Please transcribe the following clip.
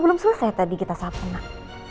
belum selesai tadi kita sapu nak